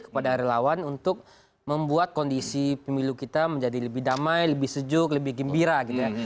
kepada relawan untuk membuat kondisi pemilu kita menjadi lebih damai lebih sejuk lebih gembira gitu ya